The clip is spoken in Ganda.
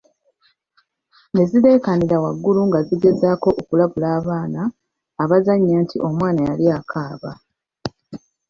Ne zireekanira waggulu nga zigezaako okulabula abaana abazannya nti omwana yali akaaba.